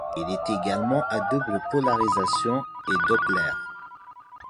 Il est également à double polarisation et Doppler.